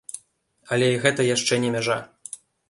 Але і гэта яшчэ не мяжа.